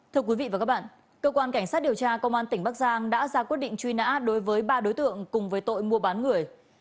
thưa quý vị và các bạn cơ quan cảnh sát điều tra công an tỉnh bắc giang đã ra quyết định truy nã đối với ba đối tượng cùng với tội mua bán người